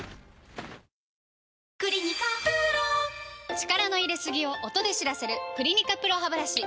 力の入れすぎを音で知らせる「クリニカＰＲＯハブラシ」